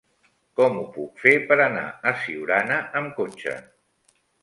Com ho puc fer per anar a Siurana amb cotxe?